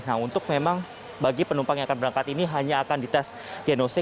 nah untuk memang bagi penumpang yang akan berangkat ini hanya akan dites genose